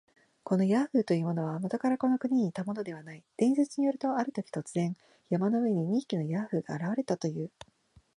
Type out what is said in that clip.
このヤーフというものは、もとからこの国にいたものではない。伝説によると、あるとき、突然、山の上に二匹のヤーフが現れたという。